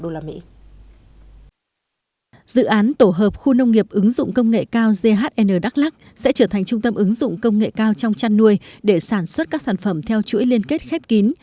dự án tổ hợp khu nông nghiệp ứng dụng công nghệ cao ghn đắk lắc sẽ trở thành trung tâm ứng dụng công nghệ cao trong chăn nuôi để sản xuất các sản phẩm theo chuỗi liên kết khép kín